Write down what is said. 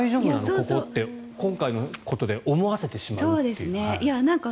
ここって今回のことで思わせてしまうというか。